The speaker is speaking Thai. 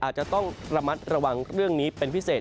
อาจจะต้องระมัดระวังเรื่องนี้เป็นพิเศษ